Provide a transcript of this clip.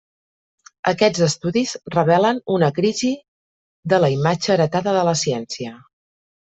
Aquests estudis revelen una crisi de la imatge heretada de la ciència.